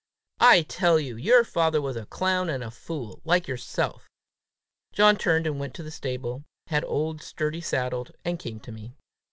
"I tell you your father was a clown and a fool like yourself!" John turned and went to the stable, had old Sturdy saddled, and came to me.